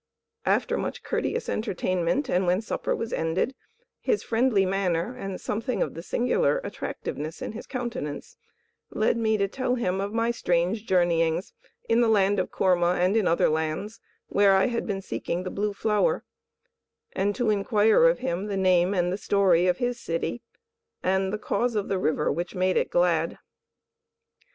After much courteous entertainment, and when supper was ended, his friendly manner and something of singular attractiveness in his countenance led me to tell him of my strange journeyings in the land of Koorma and in other lands where I had been seeking the Blue Flower, and to inquire of him the name and the story of his city and the cause of the river which made it glad.